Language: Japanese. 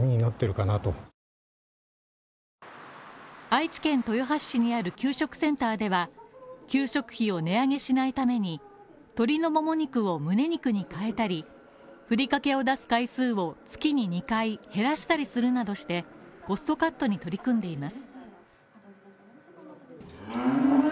愛知県豊橋市にある給食センターでは、給食費を値上げしないために鶏のモモ肉を胸肉に変えたり、ふりかけを出す回数を月に２回減らしたりするなどしてコストカットに取り組んでいます。